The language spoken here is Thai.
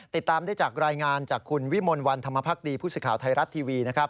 ติดตามได้จากรายงานจากคุณวิมนต์วันธรรมภักดีพฤษข่าวไทยรัตน์ทีวี